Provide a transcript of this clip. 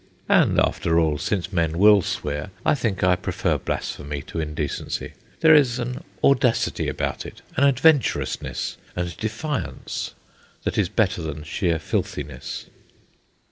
And after all, since men will swear, I think I prefer blasphemy to indecency; there is an audacity about it, an adventurousness and defiance that is better than sheer filthiness.